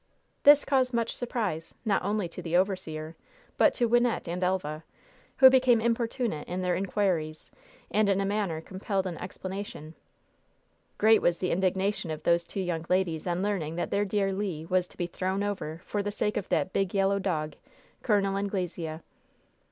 This caused much surprise, not only to the overseer, but to Wynnette and Elva, who became importunate in their inquiries, and in a manner compelled an explanation. Great was the indignation of those two young ladies on learning that their dear Le was to be "thrown over" for the sake of that "big, yellow dog," Col. Anglesea.